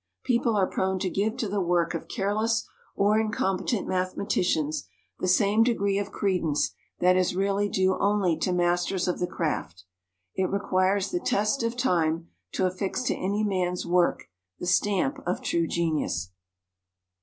People are prone to give to the work of careless or incompetent mathematicians the same degree of credence that is really due only to masters of the craft. It requires the test of time to affix to any man's work the stamp of true genius.